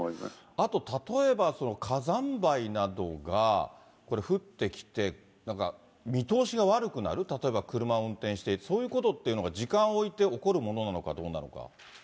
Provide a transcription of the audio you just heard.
あと例えばその火山灰などがこれ降ってきて、見通しが悪くなる、例えば車を運転してて、そういうことっていうのが、時間を置いて起こるものなのかどうなのか。